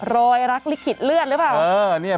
รักลิขิตเลือดหรือเปล่า